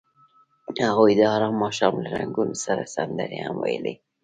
هغوی د آرام ماښام له رنګونو سره سندرې هم ویلې.